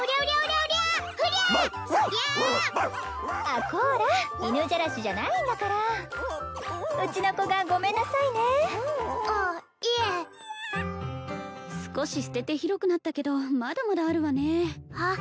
あっこら犬じゃらしじゃないんだからうちの子がごめんなさいねあいえ少し捨てて広くなったけどまだまだあるわねあっ